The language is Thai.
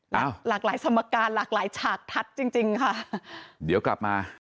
หลากหลายสมการหลากหลายฉากทัศน์จริงจริงค่ะเดี๋ยวกลับมา